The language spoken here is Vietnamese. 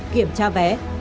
kiểm tra vé